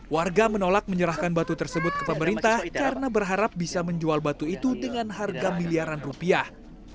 warga menolak menyerahkan batu tersebut ke pemerintah karena berharap bisa menjual batu itu dengan harga miliaran rupiah